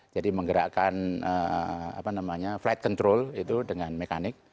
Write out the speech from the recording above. jadi menggerakkan flight control itu dengan mekanik